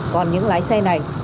còn những lái xe này